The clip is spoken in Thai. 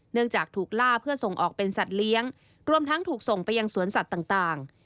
จากถูกล่าเพื่อส่งออกเป็นสัตว์เลี้ยงรวมทั้งถูกส่งไปยังสวนสัตว์ต่าง